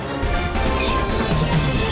kami akan menunjukkan kembali lagi